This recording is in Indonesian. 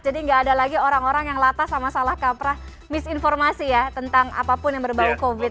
jadi tidak ada lagi orang orang yang latas sama salah kaprah misinformasi ya tentang apapun yang berbau covid